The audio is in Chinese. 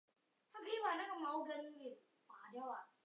大萼铃子香为唇形科铃子香属下的一个种。